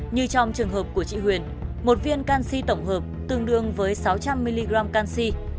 như trong trường hợp của chị huyền một viên canxi tổng hợp tương đương với sáu trăm linh mg canxi